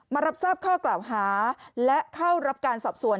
รับทราบข้อกล่าวหาและเข้ารับการสอบสวน